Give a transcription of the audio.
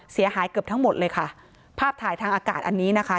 เสียหายเกือบทั้งหมดเลยค่ะภาพถ่ายทางอากาศอันนี้นะคะ